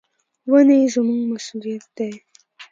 ونې زموږ مسؤلیت دي.